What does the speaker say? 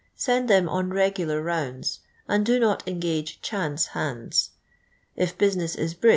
«end them on regular roimdi, and do not engage "chance" hands. If business is bri.